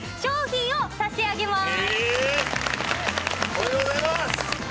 おめでとうございます！